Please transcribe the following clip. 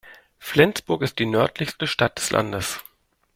Flensburg ist die nördlichste Stadt des Landes.